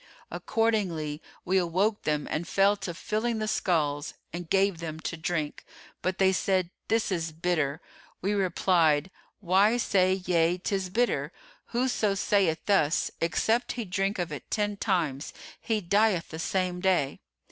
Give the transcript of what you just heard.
Accordingly, we awoke them and fell to filling the skulls and gave them to drink, but they said, 'This is bitter.' We replied, 'Why say ye 'tis bitter? Whoso saith thus, except he drink of it ten times, he dieth the same day.